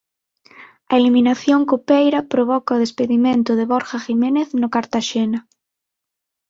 A eliminación copeira provoca o despedimento de Borja Jiménez no Cartaxena.